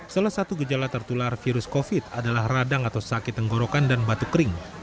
salah satu gejala tertular virus covid adalah radang atau sakit tenggorokan dan batu kering